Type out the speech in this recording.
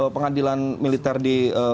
pengadilan militer di